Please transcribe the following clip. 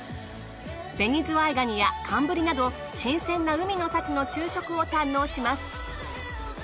紅ズワイガニや寒ブリなど新鮮な海の幸の昼食を堪能します。